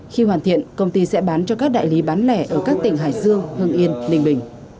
khi hoàn thiện công ty sẽ bán cho các đại lý bán lẻ ở các tỉnh hải dương hưng yên ninh bình